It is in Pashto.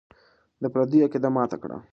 د پردیو عقیده ماته کړه.